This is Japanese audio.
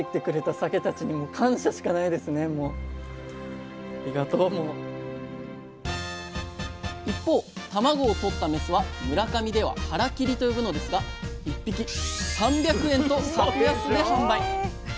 ありがとう！一方卵をとったメスは村上では「はらきり」と呼ぶのですが１匹３００円と格安で販売。